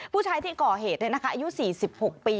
ผู้ชายที่ก่อเหตุเลยนะคะอายุ๔๖ปี